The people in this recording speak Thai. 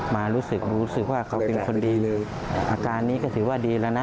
รู้สึกรู้สึกว่าเขาเป็นคนดีเลยอาการนี้ก็ถือว่าดีแล้วนะ